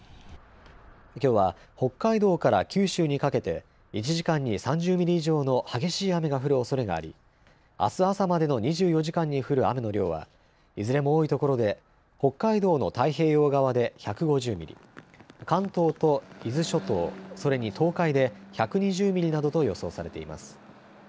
きょうは北海道から九州にかけて１時間に３０ミリ以上の激しい雨が降るおそれがありあす朝までの２４時間に降る雨の量はいずれも多いところで北海道の太平洋側で１５０ミリ、関東と伊豆諸島、それに東海で１２０ミリなどと予想されています。